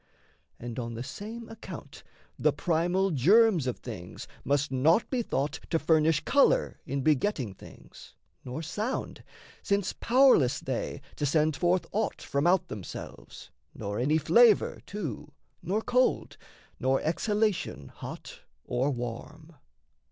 And on the same account The primal germs of things must not be thought To furnish colour in begetting things, Nor sound, since pow'rless they to send forth aught From out themselves, nor any flavour, too, Nor cold, nor exhalation hot or warm.